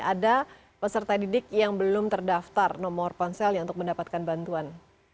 ada peserta didik yang belum terdaftar nomor ponselnya untuk mendapatkan bantuan